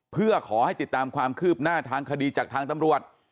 เพื่อขอให้ติดตามความคืบหน้าทางคดีจากทางตำรวจ